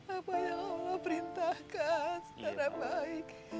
apa yang allah perintahkan secara baik